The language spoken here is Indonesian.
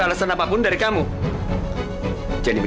udah bayarin aja non